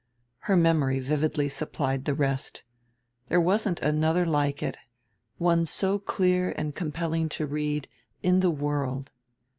Her memory vividly supplied the rest. There wasn't another like it one so clear and compelling to read in the world.